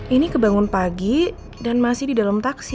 ini kebangun pagi dan masih di dalam taksi